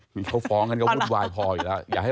คือเขาฟ้องกันก็วุ่นวายพออยู่แล้ว